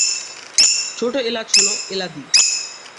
ছোটো এলাচ হল এলাদি।